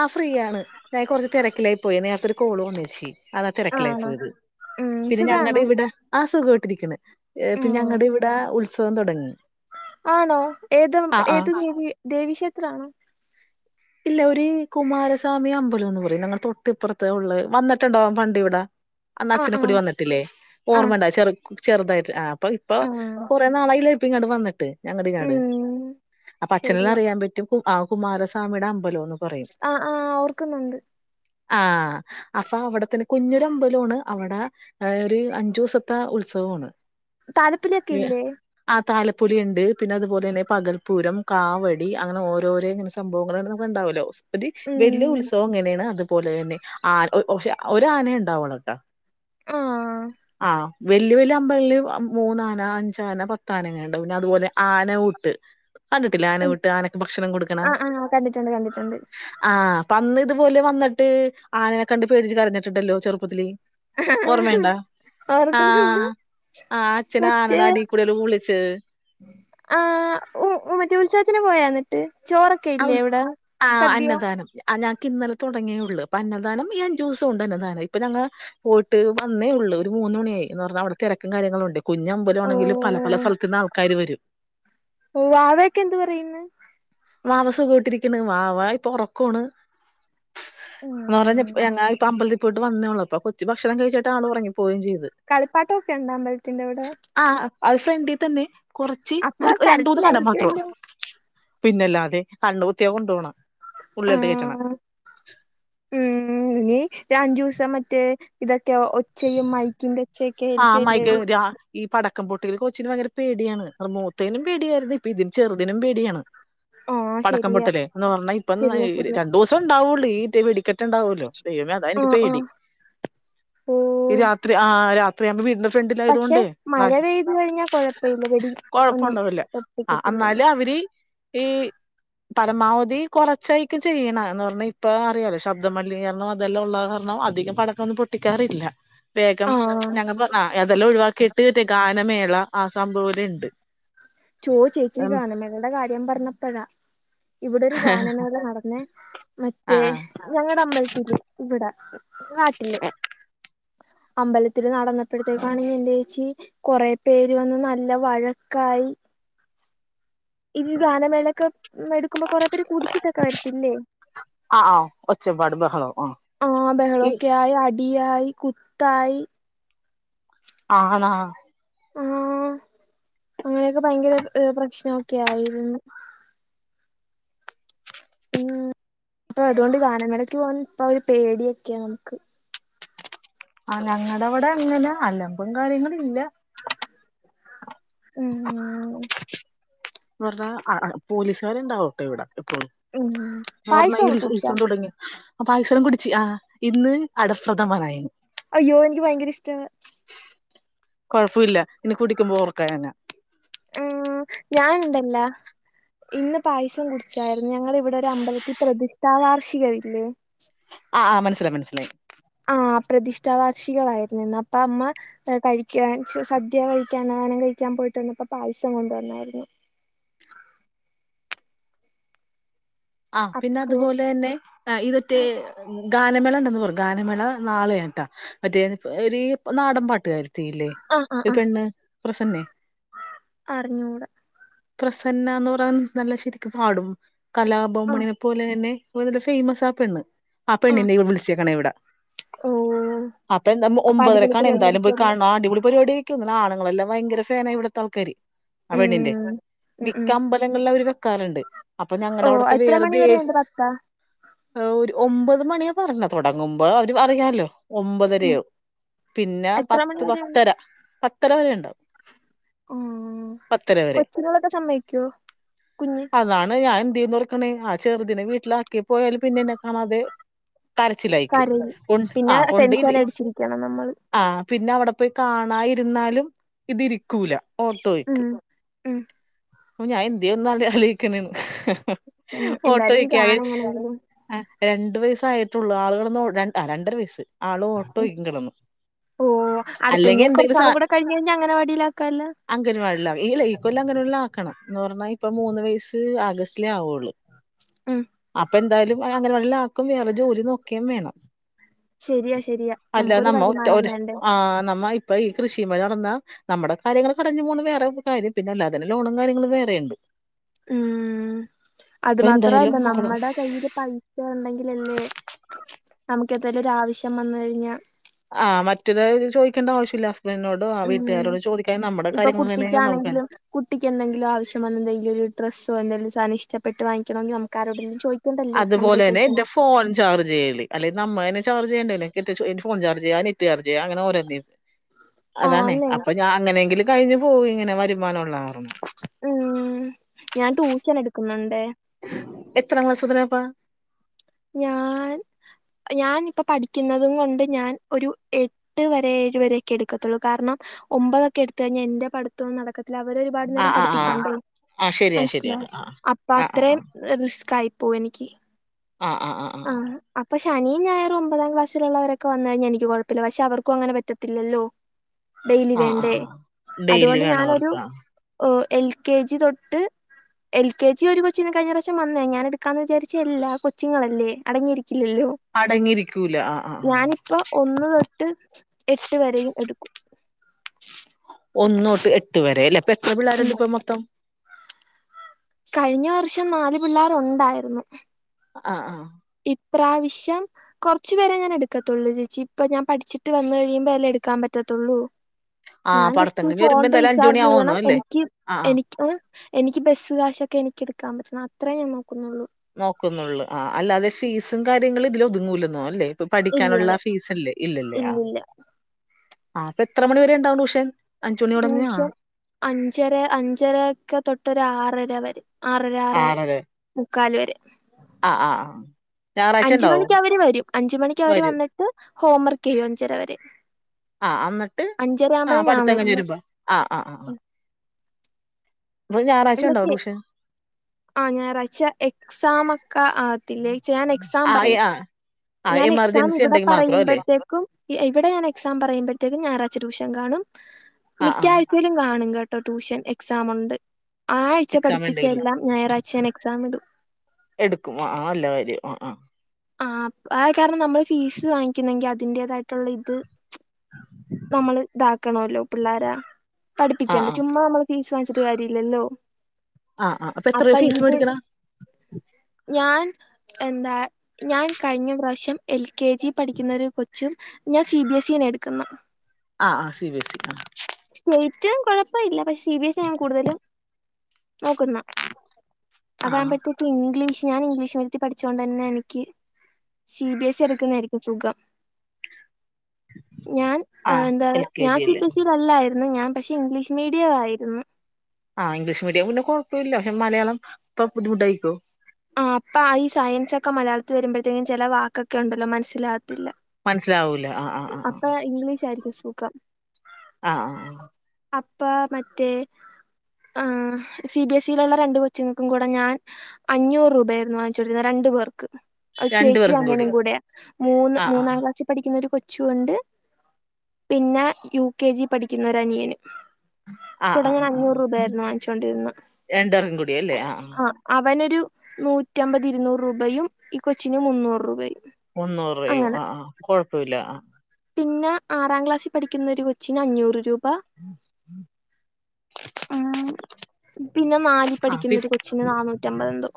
ആഹ് free ആണ്. ഞാൻ കുറച്ച് തിരക്കിലായി പോയി. നേരത്തെ ഒരു കോള് വന്നേച്ചി. അതാ തിരക്കിലായി ആണോ പോയത്. ഉം പിന്നെ സുഖാണോ ഞങ്ങടെ ഇവിടെ. ആഹ്. സുഖായിട്ടിരിക്ക്ണ്. പിന്നെ ഉം ഞങ്ങള ഇവിടെ. ഉത്സവം തുടങ്ങി.. ആണോ ഏത് ആ ആ ഏത്. ദേവി ദേവിക്ഷേത്രാണോ.. ഇല്ല. ഒരു.. കുമാരസാമി അമ്പലം എന്ന് പറയും. ഞങ്ങൾ തൊട്ട്ഇപ്പറത്ത് ഉള്ള. വന്നിട്ടുണ്ടൊ. പണ്ട് ഇവിടെ.. അന്ന് ആഹ് അച്ഛന്റെക്കൂടെ ആഹ് വന്നിട്ടില്ലേ. ആഹ് ഓർമ്മയുണ്ടാ.. ചെറു ചെറുതായിട്ട് ആഹ്.. അപ്പ ഇപ്പൊ ആഹ് കുറേ നാളായിലേ ഇപ്പ ഇങ്ങണ്ട്. വന്നിട്ട്. [unintelligible] ഉം അപ്പൊ അച്ഛനെല്ലാം ശരിയാ അറിയാൻ പ.. ആഹ്. കുമാരസാമിടെ. അമ്പലന്ന്. പറയും.. ആഹ് ആഹ് ഓർക്കുന്നുണ്ട്.. ആഹ് അപ്പൊ അവിടത്തെയൊരു. കുഞ്ഞരമ്പലമാണ്. അവിടെ.. ആഹ് ഒരു അഞ്ചു ദിവസത്തെ. ഉത്സവമാണ്.. താലപ്പൊലിയൊക്കെ ഇല്ലേ. ആഹ്. താലപ്പൊലിയുണ്ട്. പിന്നെ അതുപോലെ തന്നെ. പകൽപ്പൂരം കാവടി അങ്ങനെ ഓരോരെ.. സംഭവങ്ങള്. [unintelligible] ഒരു ഉം വല്ല്യ ഉത്സവം ഇങ്ങനെയാണ്. അതുപോലെ തന്നെ. ആഹ്. പക്ഷേ. ഒരു ആനയെ ഉണ്ടാവുളളു ട്ടോ.. ആഹ് ആഹ്.. വലിയ വലിയ അമ്പലങ്ങളിൽ ആഹ് മൂന്ന് ആന, അഞ്ച് ആന, പത്ത് ആന എങ്ങാണ്ട്, അതുപോലെ ആന ഊട്ട്. കണ്ടിട്ടില്ലേ ആന ഉം ഊട്ട് ആനക്ക് ഭക്ഷണം കൊടുക്കേണ്. ആഹ് ആഹ് കണ്ടിട്ടുണ്ട് കണ്ടിട്ടുണ്ട്. ആഹ് അപ്പോ അന്ന് ഇതുപോലെ വന്നിട്ട് ആനനെ കണ്ട് പേടിച്ച് കരഞ്ഞിട്ടുണ്ടല്ലോ ചെറുപ്പത്തില്. ഓർമ്മയുണ്ടോ ഓർക്കുന്നുണ്ട് ആഹ്. ആഹ്, അച്ഛൻ മറ്റേ ആനയുടെ അടിയിൽ കൂടെ ഊളിച്ചത്. ആഹ് ഉം ഉത്സവത്തിന് മറ്റേ ഉത്സവത്തിന് പോയോ എന്നിട്ട് ചോറ ആഹ് ഉൽ ആഹ് അന്നദാനം ഇല്ല. ആഹ് ഞങ്ങൾക്ക് ഇന്നലെ തുടങ്ങിയുള്ളൂ, അപ്പൊ അന്നദാനം ഈ അഞ്ച് ദിവസം ഉണ്ട്, അന്നദാനം ഇപ്പൊ ഞങ്ങൾ. പോയിട്ട് വന്നേയുള്ളൂ, ഒരു മൂന്ന്‌ മണിയായി എന്ന് പറഞ്ഞാൽ അവിടെ തെരക്കും കാര്യങ്ങളും ഉണ്ട്. കുഞ്ഞമ്പലം ആണെങ്കിലും പലപല ഓഹ് സ്ഥലത്ത് നിന്നും ആൾക്കാർ വരും. വാവയൊക്കെ എന്തു പറയുന്നു. വാവ സുഖമായിട്ടിരിക്കുന്നു, വാവ ഇപ്പൊ ഉറക്കമാണ്. നിറഞ്ഞു ഉം ഞങ്ങള് ഇപ്പ അമ്പലത്തിൽ പോയിട്ട് വന്നേയുള്ളൂ അപ്പൊ കൊച്ച് ഭക്ഷണം കഴിച്ചിട്ട് ആള് ഒറങ്ങി പോവുകയും ചെയ്തു. കളിപ്പാട്ടം ഒക്കെ അമ്പലത്തിന്റെ അവിടെ. ആഹ് അത് ഫ്രണ്ടിൽ തന്നെ കൊറച്ച് അപ്പൊ ഒരു രണ്ടുമൂന്ന് കട മാത്രമേയുള്ളൂ കരച്ചിലായിരിക്കുവല്ലോ പിന്നല്ലാതെ. ദേ കണ്ണ് പൊത്തിയാ കൊണ്ടുപോണേ ഉള്ളേട്ട് കേറ്റുന്ന. [inaudible] ഉം ഇനി ഒരു അഞ്ച് ദിവസം മറ്റേ ഇതൊക്കെ ഒച്ചയും മ ഇതിന്റെ ഒച്ചയൊക്കെ ആഹ് ആയിരിക്കും അല്ലേ. അമ്മായിക്ക് രാ ഈ പടക്കം പൊട്ടിയിരെ കൊച്ചിന് ഭയങ്കര പേടിയാണ് അത് മൂത്തേനും പേടിയായിരുന്നു ഇപ്പോ ഇത് ചെറുതിനും പേടിയാണ്. ആഹ് പടക്കം ശരിയാ പൊട്ടില് എന്ന് പറഞ്ഞാൽ ഇപ്പൊ ശരിയാ ഈ ഒരു ശരിയാ രണ്ട് ദിവസം. ഉണ്ടാവുള്ളൂ ഈ ടൈം വെടിക്കെട്ട് ഉണ്ടാവുല്ലോ ദൈവമേ അത് എനിക്ക് ആഹ് പേടി. ആഹ് ഈ ഓഹ് രാത്രി ആഹ് രാ ഇപ്പൊ ഞാൻ വീട്ടിന്റെ ഫ്രണ്ടിൽ പക്ഷെ ആയതുത്തോണ്ടെ മഴ ന പെയ്തു കഴിഞ്ഞാ കൊഴപ്പയില്ല വെടി കൊഴപ്പം ഒന്നും ഉണ്ടാവില്ല. ആഹ് പൊട്ടിക്കത്തില്ലല്ലോ അന്നാലും അവരെ. ഈ പരമാവധി കൊറച്ചായിരിക്കും ചെയ്യണേ എന്ന് പറഞ്ഞു. ഇപ്പോ അറിയാലോ ശബ്ദമലിനീകരണം അതെല്ലാം ഉള്ള കാരണം അധികം പടക്കം ഒന്നും പൊട്ടിക്കാറില്ല. വേഗം ആഹ് ഞങ്ങള് പറഞ്ഞാ അതെല്ലാം ഒഴിവാക്കിട്ട് മറ്റേ ഗാനമേള ആഹ് സംഭവം എല്ലാം ഉണ്ട്. ചോ ചേച്ചി ഉം ഗാനമേളയുടെ കാര്യം പറഞ്ഞപ്പോള്. ഇവിടെ ഒരു ഗാനമേള നടന്നെ ആ മറ്റേ ആ ഞങ്ങടെ അമ്പലത്തില്. ഇവിടെ നാട്ടില്. അമ്പലത്തിൽ നടന്നപ്പോഴത്തേക്കാണ് എന്റെ ചേച്ചി. കൊറെ പേരെ വന്നു നല്ല വഴക്കായി. ഈ ഗാനമേളയൊക്കെ എടുക്കുമ്പോ കൊറെ പേരെ കുടിച്ചിട്ട് ഒക്കെ വരത്തില്ലേ. ആഹ് ആഹ് ഒച്ചപ്പാടും ബഹളോ ആഹ് ഈ. ഇടിയായി കുത്തായി. ആണോ? ആഹ് അങ്ങനെയൊക്കെ ഭയങ്കര ഏഹ് പ്രശ്നം ഒക്കെ ആയിരുന്നു. ഉം അപ്പൊ അതുകൊണ്ട് ഗാനമേളയ്ക്ക് പോവാൻ ഇപ്പ ഒരു പേടിയൊക്കെ ആയി. ആഹ് ഞങ്ങടെ അവിടെ അങ്ങനെ അലമ്പും കാര്യങ്ങളും ഇല്ല. ആണോ? എന്ന് പറഞ്ഞാൽ ആഹ് ആഹ് പോലീസുകാർ ഉണ്ടാവും ഇപ്പൊ ഇവിടെ എപ്പോഴും. ഉം എന്ന് പറഞ്ഞാൽ ഈ പായസമൊക്കെ ഉത്സ കുടിച്ചാ ഉത്സവം തുടങ്ങി. ആഹ് പൈസ എല്ലാം കുടിച്ച്, ആഹ് ഇന്ന് അടപ്രഥമൻ ആയിരുന്നു. അയ്യോ എനിക്ക് ഭയങ്കര ഇഷ്ടാണ് കൊഴപ്പില്ല ഇനി കുടിക്കുമ്പോ ഓർക്കാം ഞാന് ഞാൻ ഉണ്ടല്ല ഇന്ന് പായസം കുടിച്ചാരുന്നു ഞങ്ങട ഇവിടെ ഒരു അമ്പലത്തി പ്രതിഷ്ഠാ വാർഷികവില്ലേ ആഹ് ആഹ് മനസ്സിലായി മനസ്സിലായി ആഹ് പ്രതിഷ്ഠാ വാർഷികവായിരുന്നിന്ന് അപ്പം അമ്മ ഏഹ് കഴിക്കാൻ സ് സദ്യ കഴിക്കാൻ അന്നദാനം കഴിക്കാൻ പോയിട്ട് വന്നപ്പോ പായസം കൊണ്ടുവന്നാരുന്നു ആഹ് പിന്ന അപ്പോ അതുപോലെ തന്നെ ആഹ് ഇത് മറ്റേ ഗാനമേള ഉണ്ടെന്ന് പറഞ്ഞ് ഗാനമേള നാളെയാട്ടാ മറ്റേന്ന് ഇപ്പ ഒരു ഈ നാടൻ പാട്ട്കാരത്തീല്ലേ ആഹ് ആഹ് ഒരു ആഹ് പെണ്ണ് പ്രസന്നെ അറിഞ്ഞൂട പ്രസന്ന എന്ന് പറയ്ന്ന നല്ല ശരിക്ക് പാടും ആഹ് കലാപവംമണിനെ പോലെ തന്നെ പ്പോല ഫേമസ് ആ പെണ്ണ് ആ ആഹ് പെണ്ണിനെയാ വിളിച്ചേക്കണ ഇവിട ഓഹ് അപ്പൊ എന്താ അപ്പൊ അടിപൊളി ഒമ്പതരക്കാണ് പരിപാടി എന്തായാലും പോയി ആയിരിക്കുവല്ലോ കാണണം അടിപൊളി പരിപടി ക്ക് തോന്നണ് ആണ്ളങ്ങളെല്ലാം ഭയങ്കര ഫേനാ ഇവിടത്താൾക്കാര് ആഹ് പെണ്ണിന്റെ ഉം ഉം ഉം മിക്ക അമ്പലങ്ങളിലും അവര് വെക്കാറുണ്ട് അപ്പൊ ഞങ്ങടെ ഓഹ് അവിടെ എത്ര മണി വെർദേവ് വരെയുണ്ട് പത്താ ഒരു ഒമ്പത് മണിയാ പറഞ്ഞെ തുടങ്ങുമ്പോ അവര് അറിയാല്ലോ ഉം ഒമ്പതരയാവും പിന്നെ എത്ര മണി പത്ത് വരെയുണ്ട് പത്തര പത്തര വരെയൊണ്ടാവും ആഹ് പത്തര വരെ കൊച്ചുങ്ങളൊക്കെ സമ്മതിക്കുവോ കുഞ്ഞ് അതാണ് ഞാൻ എന്ത് ചെയ്യുവെന്നോർക്കെ ണെ ആഹ് ചെറുതിനെ വീട്ടിലാക്കി പോയാല് പിന്നെന്നെ കാണാതെ കരച്ചിലായ്ക്കും കരയും കൊണ്ട് പിന്നെ ആഹ് കൊണ്ട് ഇത് ടെൻഷൻ അടിച്ചിരിക്കണം നമ്മള് ആഹ് പിന്നെ അവിടെ പോയി കാണായിരുന്നാലും ഇതിരിക്കൂല ഓട്ടോ ഉം വിക്കും ഉം അപ്പൊ ഞാൻ എന്ത് ചെയ്യൂവെന്ന് ആലോ ആലോയിക്കണെണ് ഉം എന്തായാലും കാണ് ഇങ്ങനെ തന്നെ രണ്ടു വയസ്സായിട്ടുള്ളൂ ആള് കെടന്ന് ഓടണ് ആഹ് രണ്ടര വയസ്സ് ആള് ഓട്ടോയ്ക്കും കിടന്നു ഓഹ് അടുത്ത ഇനി കുറച്ചാള് കൂടെ കഴിഞ് കഴിഞ്ഞാ അങ്ങനവാടിലാക്കാല്ല അംഗൻവാടിലാ ഇല്ല ഈ കൊല്ലം അങ്ങനവാടിലാക്കണം എന്ന് പറഞ്ഞാ ഇപ്പം മൂന്ന് വയസ്സ് ആഗസ്റ്റിലേ ആവുള്ളൂ ഉം അപ്പൊ എന്തായാലും അങ്ങനവാടിലാക്കും വേറെ ജോലി നോക്കേം വേണം ശരിയാ ശരിയാ അല്ല നമുക്കൊരു നമ്മ ഒറ്റ വരുമാനം ഒരു വേണ്ടേ ആഹ് നമ്മ ഇപ്പൊ ഈ കൃഷിമ്മ നടന്നാ നമ്മുടെ കാര്യങ്ങള്ക്കടഞ്ഞു പോന്നു വേറെ കാര്യം പിന്നെല്ലാതന്നെ ലോണും കാര്യങ്ങളും വേറെ ഉണ്ട് ഉം അത് അപ്പൊ എന്തായാലും മാത്രല്ല നോക്കണം നമ്മുടെ കയ്യില് പൈ സ ഉണ്ടെങ്കിലല്ലേ നമുക്ക് എന്തേലും ഒരു ആവശ്യം വന്ന് കഴിഞ്ഞാ ആഹ് മറ്റൊരുത് ചോദിക്കണ്ട ആവശ്യില്ല ഹസ്ബന്റിനോട് ഡോ ആ ഉം വീട്ടുകാരോടടോ ചോദിക്കാൻ നമ്മുടെ ഇപ്പൊ കാര്യങ്ങള് എങ്ങനെങ്കിലും നോക്കാല്ല കുട്ടിക്കാണെങ്കിലും കുട്ടിക്ക് എന്തെങ്കിലും ആവശ്യം വന്ന്ണ്ടെങ്കി ഒരു ഡ്രസ്സോ എന്തേലും സാദനം ഇഷ്ടപ്പെട്ട് വാങ്ങിക്കണോങ്കി നമ്മുക്ക് ക്കാരോടെങ്കിലും ചോദിക്കണ്ടല്ലോ നമ്മടെ അതുപോലെ കയ്യി തന്നെ പൈസ എന്റെ ഉണ്ടേ ഫോൺ ചാർജ് ചെയ്യല് അല്ലങ്കി നമ്മ തന്നെ ചാർജ് ചെയ്യണ്ടേല്ലേ കിറ്റെച്ച് ഈ ഫോൺ ചാർജ് ചെയ്യുക നെറ്റ് ചാർജ് ചെയ്യുക അങ്ങനെ ഓരോന്നും അതാണേ ആന്നെ അപ്പൊ ഞാൻ അങ്ങനെങ്കിലും കഴിഞ്ഞു പോകും ഇങ്ങനെ വരുമാനം ഉള്ളാരണം ഉം ഞാൻ ട്യൂഷൻ എടുക്കുന്നുണ്ടേ എത്രാം ക്ലാസ് മുതലാപ്പാ ഞാൻ ഞാൻ ഇപ്പ പഠിക്കുന്നതും കൊണ്ട് ഞാൻ ഒരു എട്ട് എട്ട് വരെ ഏഴ് വരെയ്ക്കെ എടുക്കത്തുള്ളൂ കാരണം ഒമ്പതൊക്കെ എടുത്തു കഴിഞ്ഞാൽ എന്റെ പടിതോം നടക്കത് ല്ല അവരൊരുപാട് ആ നേരം ആ ആ പഠിപ്പിക്കണ്ടെ ആ ശരിയാ ശരിയാണ് [unintelligible] ആ അപ്പൊ ആ ആ അത്രേം റിസ്കായിപ്പോഎനിക്ക് ആ ആ ആ അപ്പൊ ശനിം ഞായറും ഒമ്പതാം ക്ലാസിലുള്ളവരൊക്കെ വന്ന് കഴിഞ്ഞാ എനിക്ക് കൊഴപ്പല്ല പക്ഷേ അവർക്കും അങ്ങനെ പറ്റത്തില്ലല്ലോ ഡെയ്ലി ആ ആ വേണ്ടേ ആ ഡെയിലി അതോണ്ട് വേണം ഞാനൊരു അവർക്ക് ആ ഓ എൽ കെ ജി തൊട്ട് എൽ കെ ജി ഒരു കൊച്ചി കഴിഞ്ഞ പ്രാവശ്യം വന്നേ ഞാൻ എടുക്കാന്ന് വിചാരിച്ചല്ല കൊച്ച്ങ്ങളല്ലേ അടങ്ങിയിരിക്കില്ലല്ലോ അടങ്ങിയിരിക്കൂല ആ ആ ആ പ്പൊ ഒന്ന് തൊട്ട് എട്ട് വെരേം എട്ക്കും ഒന്നൊട്ട് എട്ട് വരെ ല്ലപ്പൊ എത്ര ഉം പിള്ളേര്ണ്ട്പ്പൊ മൊത്തം കഴിഞ്ഞ വർഷം നാല് പിള്ളേരുണ്ടായിര്ന്നു ആ ഇപ്രാവശ്യം കൊർച്ച് പേരെ ഞാൻ എട്ക്കത്തുള്ളു ചേച്ചി ഇപ്പ ഞാൻ പഠിച്ചിട്ട് വന്നു കഴിയുമ്പോ അല്ലേ എടുക്കാൻ പറ്റത്തുള്ളൂ ആഹ് ഞാൻ പഠിത്തം ജസ്റ്റ് കഴിഞ്ഞ് വരുമ്പോ ഫോൺ എന്തായാലും അഞ്ച് മണി റീചാർജ് ആവുന്നോ യ്യണം അല്ലേ എനിക്ക് ആഹ് ആഹ് എനിക്കും എ എനിക്ക് ബസ്സ് കാശൊക്കെ എനിക്ക്ട്ക്കാൻ പറ്റണം അത്രേ ഞാൻ നോക്കുന്നുള്ളൂ നോക്കുന്നുള്ളൂ ആ അല്ലാതെ ഫീസും കാര്യങ്ങളും ഇതിലൊതുങ്ങൂലെന്നോ അല്ലേ പ്പൊ ഇല്ലില്ല പഠിക്കാനുള്ള ഫീസല്ലെ ഇല്ലല്ലേ ആ ഇല്ലില്ല ആ അപ്പൊ എത്ര മണി വരെ ണ്ടാവും ട്യൂഷൻ അഞ്ച് മണി തുടങ്ങിയ ടൂഷൻ ആഹ് അഞ്ചര അഞ്ചരാക്കെ തൊട്ടൊരു ആറര വെരെ ആറര ആറെ മുക്കാല് വെരെ ആ ആ ആ അഞ്ച് മണിക്ക് അവര് വരും അഞ്ച് മണിക്കവര് വരും വന്ന്ട്ട് ഹോംവർക്കെയ്യും അഞ്ചരവരെ ആ ന്ന്ട്ട് ആ പട്ത്തെങ്കയ്ഞ് വരുന്നത് വെരുമ്പോ ആ ആ ആ പ്പൊ ഞാറാഴ്ചണ്ടോ ടൂഷൻ ആ ഞായറാഴ്ച്ച എക്സാമൊക്കെ ആത്തില്ലേയ്ച്ചാണ് എക്സ് ആയ് ആ ആ എമർജൻസി ണ്ടെങ്കി മാത്ര ല്ലേ ക്കും ഇവടെ ഞാൻ എക്സാം പറയുമ്പോഴത്തേക്കും ഞാറാഴ്ച്ച ടൂഷൻ കാണും ആഹ് ആഹ് മിക്കാഴ് തിലും കാണും കേട്ടോ ട്യൂഷൻ എക്സാമുണ്ട് ആ ആഴ്ച എക്സാം ഉണ്ടെങ്കിൽ പഠിപ്പിച്ചെല്ലാം ഞായറാഴ്ച ഞാൻ എക്സാമിടും എടുക്കും ആ നല്ല കാര്യം ആ ആ ആ ആ കാരണം നമ്മള് ഫീസ് വാങ്ങിക്കുന്നെങ്കി അതിന്റേതായിട്ടുള്ള ഇത് നമ്മള് താക്കണല്ലോ പിള്ളാരെ ആഹ് പഠിപ്പിക്കണ്ടെ ആഹ് ചുമ്മാ നമ്മള് ഫീസ് വാങ്ങിച്ചിട്ട് കാര്യല്ലല്ലോ ആഹ് ആഹ് എത്രയാ അപ്പൊ ഫീസ് ഇത് മേടിക്കണെ ഞാൻ എന്താ ഞാൻ കഴിഞ്ഞ പ്രാശ്യം എൽ കെ ജി പഠിക്കുന്നൊരു കൊച്ചും ഞാൻ സി ബി എസ് ഇ ആണ് എട്ക്ക്‌ന്നെ ആ ആ സി ബി എസ്സി ആ സ്റ്റെയ്റ്റും കൊഴപ്പല്ല പക്ഷെ സി ബി എസിയാ ഞാൻ കൂടുതലും നോക്കുന്ന ആഹ് ആഹ് അതാകുമ്പോഴത്തേക്ക് ഇംഗ്ലീഷ് ഞാൻ ഇംഗ്ലീഷ് മീഡിയത്തി പഠിച്ചൊണ്ടെന്നെ എനിക്ക് സി ബി എസ്സി എട്ക്ക്‌ന്നായിരിക്കും സുഖം ഞാൻ ആ ആഹ് ന്ത എൽ കെ ഞാൻ ജി സി അല്ലേ ബി സി തല്ലായിരുന്നു ഞാൻ പക്ഷെ ഇംഗ്ലീഷ് മീഡിയം ആയിരുന്നു ആ ഇംഗ്ലീഷ് മീഡിയം പിന്നെ കൊഴപ്പല്ല പക്ഷെ മലയാളം പ്പൊ ബുദ്ധിമുട്ടായ്ക്കോ ആ അപ്പാ ഈ സയൻസൊക്കെ മലയാളത്തിൽ വെരുമ്പഴത്തേക്കും ചെല വാക്കൊക്കെണ്ടല്ലോ മനസ്സിലാകത്തില്ല മനസ്സിലാവൂല്ല ആ ആ അപ്പാ ഇംഗ്ലീഷ് ആയിരിക്കും സുഖം. ആഹ് ആഹ് ആഹ് അപ്പാ മറ്റേ ആഹ് സി ബി എസ് ഇയിലുള്ള രണ്ട് കൊച്ചുങ്ങൾക്കും കൂടെ ഞാൻ അഞ്ഞൂറ് രൂപ ആയിരുന്നു വാങ്ങിച്ചോണ്ടിരുന്നെ രണ്ടു പേർക്ക്. ഒരു രണ്ടു ചേച്ചി പേർക്കും കൂടി അനിയനും കൂടെയാ മൂന്ന് ആഹ് ആഹ് മൂന്നാം ക്ലാസ്സി പഠിക്കുന്ന ഒരു കൊച്ച് ച്ചുവൊണ്ട് പിന്നെ യു കെ ജി പഠിക്കുന്നൊരനിയനും ആഹ് കൂടെ ഞാൻ അഞ്ഞൂറ് രൂപായായിരുന്നു വാങ്ങിച്ചോണ്ടിരുന്നെ രണ്ട് പേർക്കും കൂടി അല്ലേ ആഹ് ആഹ്. അവനൊരു നൂറ്റി അമ്പതി ഇരുന്നൂറ് രൂപയും ഈ കൊച്ചിന് മുന്നൂറ് രൂപയും. മുന്നൂറുപയും ആഹ് ആഹ് കൊഴപ്പൊയില്ലാ ആഹ് പിന്നാ ആറാം ക്ലാസ്സി പഠിക്കുന്ന ഒരു കൊച്ചിന് അഞ്ഞൂറ് രൂപാ. ഉം പിന്നെ നാലിൽ ആഹ് ഫി പഠിക്കുന്നൊരു കൊച്ചിന് നാന്നൂറ്റി അമ്പതെന്തോ.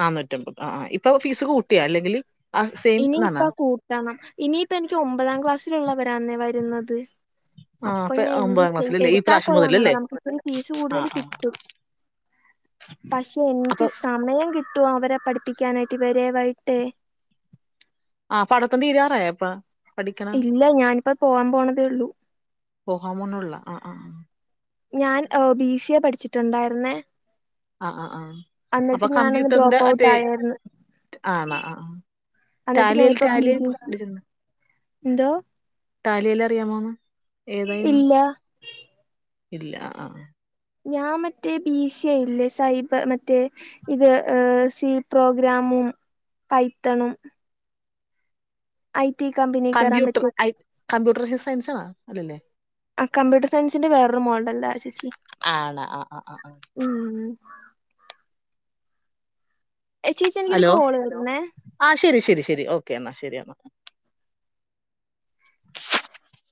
നാന്നൂറ്റമ്പത് ആഹ് ആഹ് ഇപ്പൊ ഫീസ് കൂട്ടിയാ അല്ലെങ്കില് ഇനിയിപ്പ കൂട്ടണം ഇനിയിപ്പ എനിക്ക് ഒമ്പതാം ക്ലാസ്സില്ള്ളവരാന്നെ വരുന്നത്. ആഹ് അപ്പൊ ഇപ്പൊ ഞാൻ എന്ത് ഒമ്പതാം ചെയ് ക്ലാസ്സിലല്ലേ ഈ എടുത്താ പ്രാവശ്യം കൊള്ളാന്ന്ണ്ട് മുതലല്ലേ നമക്ക് ഇപ്പ ഒരു ഫീസ് ആഹ് കൂടുതല് ആഹ് കിട്ടും. പക്ഷെ അപ്പൊ എനിക്ക് സമയം കിട്ടോ അവരെ പഠിപ്പിക്കാനായിട്ട് ഇവരെ വയ്യിട്ടെ. ആഹ് പടത്തം തീരാറായേ അപ്പാ. ഇല്ല ഞാനിപ്പോ പോവാാൻ പോണതേള്ളൂ. പോഹാൻ പോണാള്ളാ ആഹ് ആഹ്. ഞാൻ ഓഹ് ബി സി എ പഠിച്ചിട്ടൊണ്ടായിരുന്നേ. ആഹ് ആഹ് ആഹ് അപ്പൊ അന്നിട്ട് ഞാനൊന്ന് കമ്പ്യൂട്ടറിന്റെ ഡ്രോപ്പ് ഔട്ട് മറ്റേ ആയാരുന്നു. ആണോ ആഹ് ആഹ് അന്നിട്ട് ടാലിയിൽ ഞാനിപ്പോ ടാലിയിൽ ബിബിഎക്ക് പഠിച്ചിട്ടുണ്ട് എന്തോ? ടാലിയെല്ലാം അറിയാമോന്ന് ഏതായിരുന്നു. ഇല്ല ഇല്ലാ ആഹ് ആഹ് ഞാൻ മറ്റേ ബി സി ഏയില്ലേ സൈബ മറ്റേ ഇത് ഏഹ് സി പ്രോഗ്രാമും പൈത്തണും. I T company. കേറാൻ കമ്പ്യൂട്ടർ പറ്റിയ ഐ കമ്പ്യൂട്ടർ [unintelligible] സയൻസാണാ അല്ലല്ലേ. ആഹ് കംമ്പ്യൂട്ടർ സയൻസിന്റെ വേറൊരു മോഡല്ലാ ആഹ് ചേച്ചി ആണ് ആ ആ ആ ആ ഉം. ചേച്ചി എനിക്കൊരു കോള് വെര്ന്നേ ആഹ് ശരി ശരി ശരി ഓക്കെന്നാ ശരി എന്നാ.